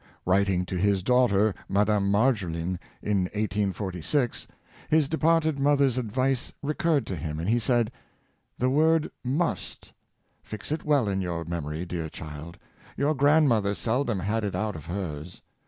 Writing to his daughter, Madame Marjolin, in 1846, his departed mother's advice recurred to him, and he said: ''The word 7nust — fix it well in your memory, dear child; your grandmother seldom had it out of hers.